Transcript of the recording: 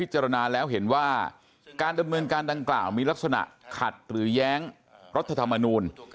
จารณาแล้วเห็นว่าการดำเนินการดังกล่าวมีลักษณะขัดหรือแย้งรัฐธรรมนูล